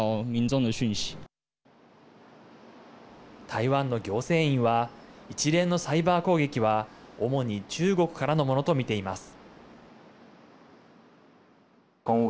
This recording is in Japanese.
台湾の行政院は一連のサイバー攻撃は主に中国からのものと見ています。